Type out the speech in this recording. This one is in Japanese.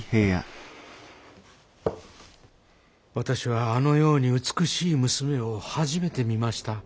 私はあのように美しい娘を初めて見ました。